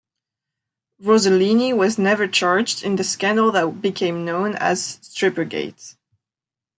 Rosellini was never charged in the scandal that became known as Strippergate.